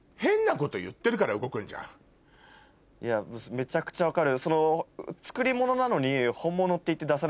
めちゃくちゃ分かる。